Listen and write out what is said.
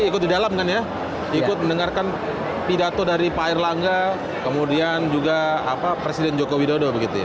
ikut di dalam kan ya ikut mendengarkan pidato dari pak erlangga kemudian juga presiden joko widodo begitu ya